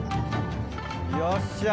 よっしゃ